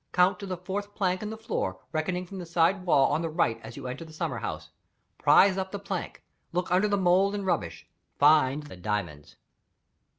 Count to the fourth plank in the floor, reckoning from the side wall on the right as you enter the summer house. Prize up the plank. Look under the mould and rubbish. Find the diamonds."